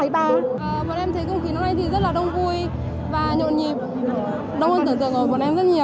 bọn em thấy công khí hôm nay thì rất là đông vui và nhộn nhịp đông hơn tưởng tượng rồi bọn em rất nhiều